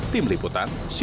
tim liputan cnn indonesia